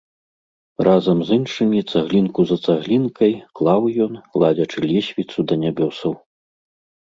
Разам з іншымі цаглінку за цаглінкай клаў ён, ладзячы лесвіцу да нябёсаў.